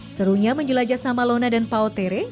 serunya menjelajah sama lona dan paotere